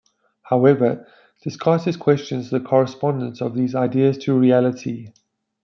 However, Descartes questions the correspondence of these ideas to reality.